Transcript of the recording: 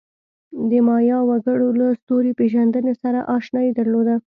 د مایا وګړو له ستوري پېژندنې سره آشنایي درلوده.